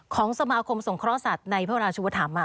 ของสมาคมสงครสัตว์ในเวลาชุมธรรม